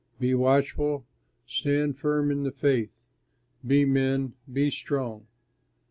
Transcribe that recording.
Be watchful, stand firm in the faith, be men, be strong!